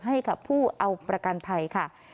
ให้กับผู้เอาประกันภัยค่ะ